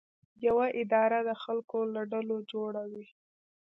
یوه اداره د خلکو له ډلو جوړه وي.